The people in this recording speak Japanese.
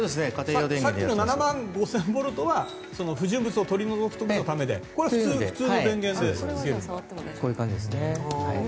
さっきの７万５０００ボルトは不純物を取り除くためのやつではい、こういう感じで。